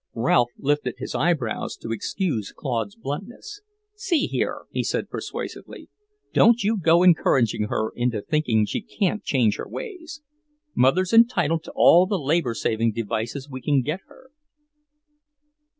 Ralph lifted his eyebrows to excuse Claude's bluntness. "See here," he said persuasively, "don't you go encouraging her into thinking she can't change her ways. Mother's entitled to all the labour saving devices we can get her."